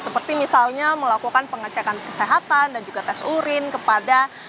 seperti misalnya melakukan pengecekan kesehatan dan juga tes urin kepada